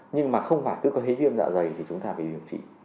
nhưng mà không phải cứ có hí viêm dạ dày thì chúng ta phải điều trị